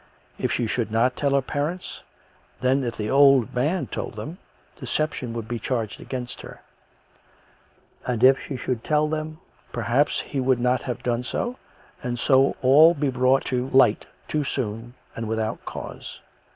If she should not tell her parents, then if the old man told them, deception would be charged against her; and if she should tell them, per haps he would not have done so, and so all be brought to light too soon and without cause.